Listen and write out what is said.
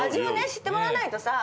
知ってもらわないとさ。